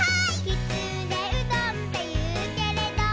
「きつねうどんっていうけれど」